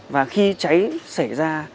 và khi cháy xảy ra